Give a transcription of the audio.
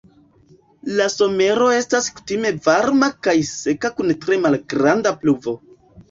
La somero estas kutime varma kaj seka kun tre malgranda pluvo.